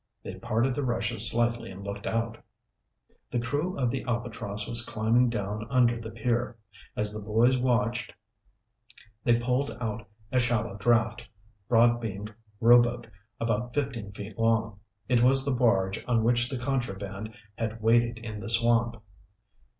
They parted the rushes slightly and looked out. The crew of the Albatross was climbing down under the pier. As the boys watched, they poled out a shallow draft, broad beamed rowboat about fifteen feet long. It was the barge on which the contraband had waited in the swamp.